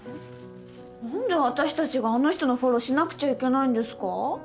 何で私たちがあの人のフォローしなくちゃいけないんですか？